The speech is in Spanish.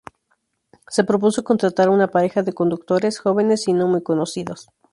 Se propuso contratar a una pareja de conductores, jóvenes y no muy conocidos.